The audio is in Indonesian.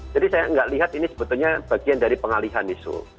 jadi saya nggak lihat ini sebetulnya bagian dari pengalihan isu